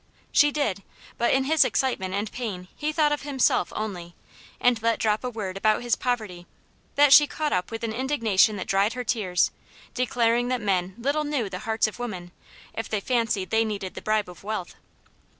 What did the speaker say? "She did. But in his excitement and pain he thought of himself only, and let drop a word about his poverty, that she caught up with an indignation that dried her tears, declaring that men little knew the hearts of women, if they fancied they needed the bribe of wealth."